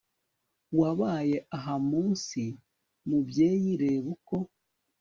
wabaye aha mu nsi mubyeyi; reba uko